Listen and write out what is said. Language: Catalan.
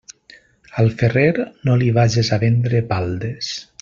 Al ferrer, no li vages a vendre baldes.